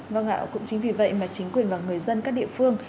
vâng ạ cũng chính vì vậy mà chính quyền và người dân các địa phương